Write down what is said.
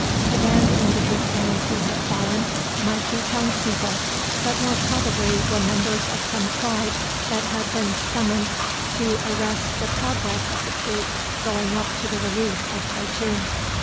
The band into whose hands he had fallen might be townspeople, but more probably were members of some tribe that had been summoned to arrest the progress of the troops going up to the relief of Khartoum.